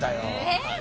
えっ！？